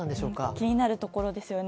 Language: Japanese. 気になるところですよね。